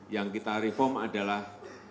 yang kita reform adalah